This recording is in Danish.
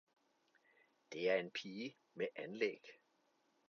Det er en pige med anlæg